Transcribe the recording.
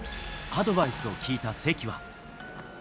アドバイスを聞いた関は。